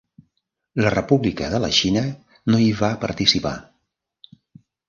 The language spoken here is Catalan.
La República de la Xina no hi va participar.